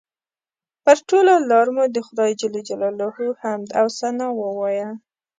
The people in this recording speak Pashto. پر ټوله لاره مو د خدای جل جلاله حمد او ثنا ووایه.